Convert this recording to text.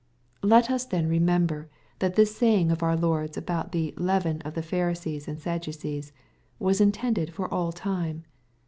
Let us then remember that this sapng of our Lord's about the " leaven of the Pharisees and Sadducees" was intended for all time.